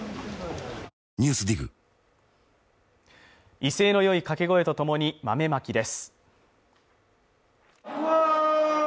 威勢の良い掛け声とともに豆まきです